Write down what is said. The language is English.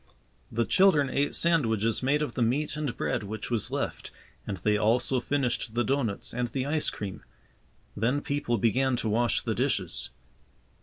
The children ate sandwiches made of the meat and bread which was left and they also finished the doughnuts and the ice cream. Then people began to wash the dishes.